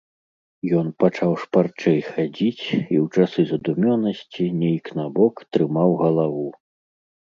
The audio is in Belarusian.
Ён пачаў шпарчэй хадзіць і ў часы задумёнасці нейк набок трымаў галаву.